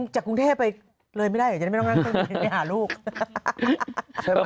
จากกรุงเทพไปเลยไม่ได้เดี๋ยวไม่ต้องนั่งไปหาลูก